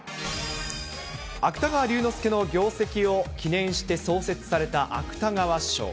芥川龍之介の業績を記念して創設された芥川賞。